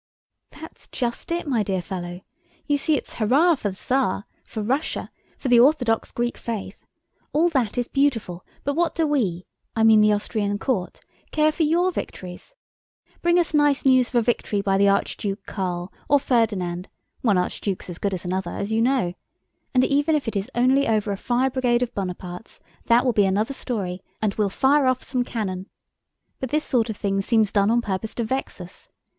"That's just it, my dear fellow. You see it's hurrah for the Tsar, for Russia, for the Orthodox Greek faith! All that is beautiful, but what do we, I mean the Austrian court, care for your victories? Bring us nice news of a victory by the Archduke Karl or Ferdinand (one archduke's as good as another, as you know) and even if it is only over a fire brigade of Bonaparte's, that will be another story and we'll fire off some cannon! But this sort of thing seems done on purpose to vex us.